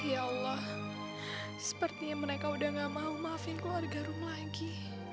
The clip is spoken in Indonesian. ya allah sepertinya mereka udah gak mau maafin keluarga room lagi